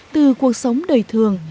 từ cuộc sống đời thường